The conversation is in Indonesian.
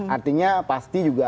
artinya pasti juga